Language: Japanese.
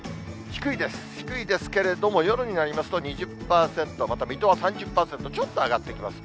低いですけれども、夜になりますと、２０％、また水戸は３０％、ちょっと上がってきます。